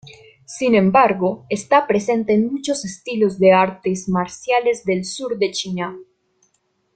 Sin embargo, está presente en muchos estilos de artes marciales del sur de China.